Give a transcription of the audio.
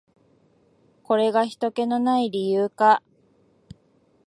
これがひとけの無い理由か。